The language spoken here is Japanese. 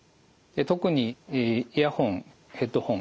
特にイヤホン・ヘッドホン